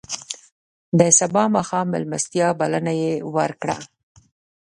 د سبا ماښام میلمستیا بلنه یې وکړه.